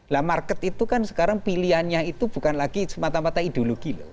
nah market itu kan sekarang pilihannya itu bukan lagi semata mata ideologi loh